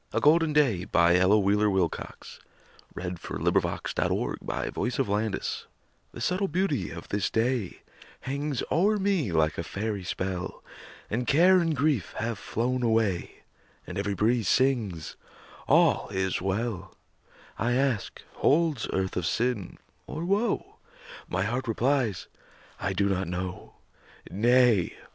A Golden Day An Ella Wheeler Wilcox Poem A GOLDEN DAY The subtle beauty of this day Hangs o'er me like a fairy spell, And care and grief have flown away, And every breeze sings, "All is well." I ask, "Holds earth of sin, or woe?" My heart replies, "I do not know." Nay!